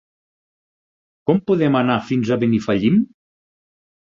Com podem anar fins a Benifallim?